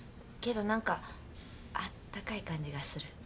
けど何かあったかい感じがする。